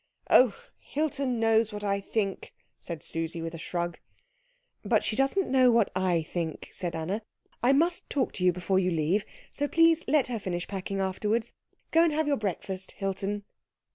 "Oh, Hilton knows what I think," said Susie, with a shrug. "But she doesn't know what I think," said Anna. "I must talk to you before you leave, so please let her finish packing afterwards. Go and have your breakfast, Hilton."